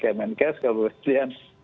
kemudian seorang mantan berjabat tinggi kms